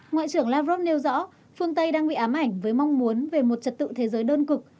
ngoại trưởng lavrov nêu rõ phương tây đang bị ám ảnh với mong muốn về một trật tự thế giới đơn cực